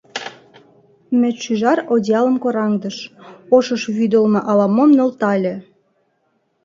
Медшӱжар одеялым кораҥдыш, ошыш вӱдылмӧ ала-мом нӧлтале